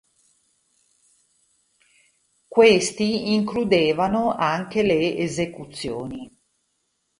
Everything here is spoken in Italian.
Questi includevano anche le esecuzioni.